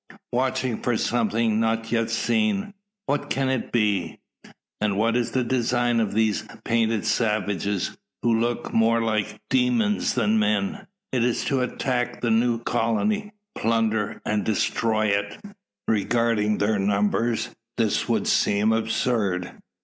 Watching for something not yet seen. What can it be? And what is the design of these painted savages, who look more like demons than men? Is it to attack the new colony, plunder, and destroy it? Regarding their numbers, this would seem absurd.